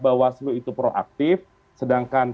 bawaslu itu proaktif sedangkan